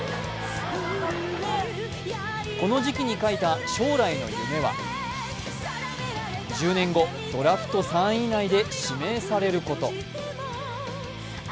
この時期に書いた将来の夢は１０年後、ドラフト３位以内で指名されること。